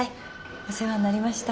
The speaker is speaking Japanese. お世話になりました。